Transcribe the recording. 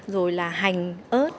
rồi là hành ớt